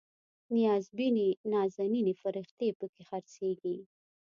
نیازبینې نازنینې فرښتې پکې خرڅیږي